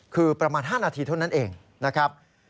คือประมาณ๕นาทีเท่านั้นเองนะครับ